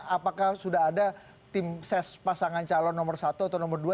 apakah sudah ada tim ses pasangan calon nomor satu atau nomor dua